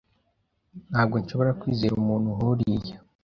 Ntabwo nshobora kwizera umuntu nkuriya.